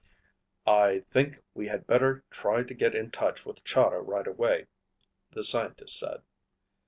"I think we had better try to get in touch with Chahda right away," the scientist said.